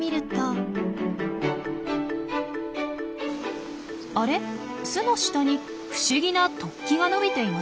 巣の下に不思議な突起が伸びていますねえ。